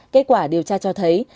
kết quả điều tra cho thấy